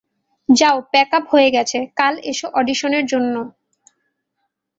যাও pack up হয়ে গেছে, কাল এসো অডিশনের জন্য।